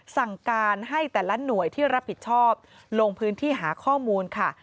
สั่งการให้แต่ละหน่วยที่รับผิดชอบลงพื้นที่หาข้อมูลค่ะ